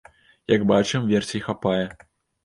Як бачым, версій хапае.